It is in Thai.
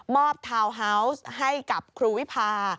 ทาวน์ฮาวส์ให้กับครูวิพา